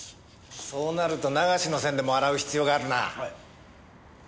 そうなると流しの線でも洗う必要があるな。